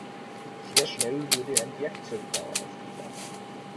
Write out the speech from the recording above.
Sehr schnell wurde ein Werkzeugbau aufgebaut.